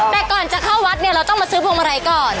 แต่ก่อนจะเข้าวัดเนี่ยเราต้องมาซื้อพวงมาลัยก่อน